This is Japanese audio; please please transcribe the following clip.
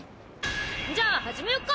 じゃあ始めよっか！